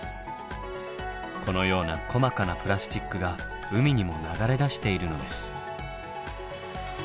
このような細かなプラスチックが海にも流れ出しているのです。